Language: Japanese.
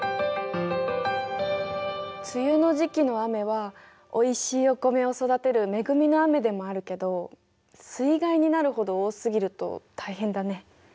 梅雨の時期の雨はおいしいお米を育てる恵みの雨でもあるけど水害になるほど多すぎると大変だね。